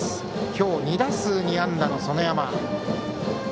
今日、２打数２安打の園山。